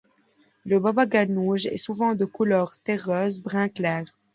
Le baba ganoush est souvent de couleur terreuse, brun clair.